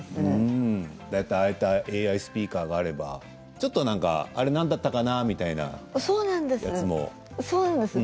ああやってＡＩスピーカーがあればちょっとあれ何だったかなそうなんです。